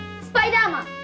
スパイダーマン！